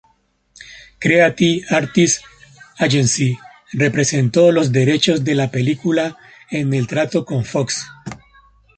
Creative Artists Agency representó los derechos de la película en el trato con Fox.